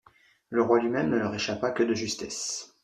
Le roi lui-même ne leur échappa que de justesse.